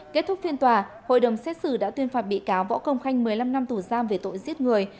kết thúc phiên tòa hội đồng xét xử đã tuyên phạt bị cáo võ công khanh một mươi năm năm tù giam về tội giết người